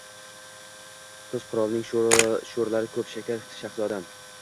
Tuz qirolning sho’rlari ko’p, Shakar shahzodam.